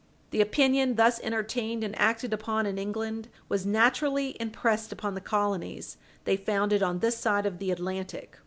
The opinion thus entertained and acted upon in England was naturally impressed upon the colonies they founded on this side of the Atlantic.